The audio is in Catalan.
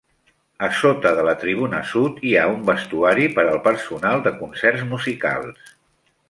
A sota de la tribuna sud hi ha un vestuari per al personal de concerts musicals.